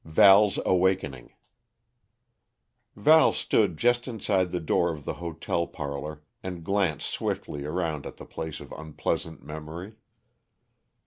VAL'S AWAKENING Val stood just inside the door of the hotel parlor and glanced swiftly around at the place of unpleasant memory.